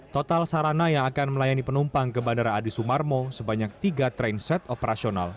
total sarana yang akan melayani penumpang ke bandara adi sumarmo sebanyak tiga train set operasional